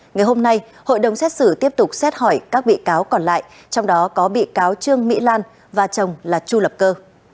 ngày hôm nay hội đồng xét xử tiếp tục xét hỏi các bị cáo còn lại trong đó có bị cáo trương mỹ lan và chồng là chu lập cơ